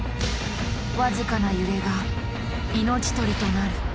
僅かな揺れが命取りとなる。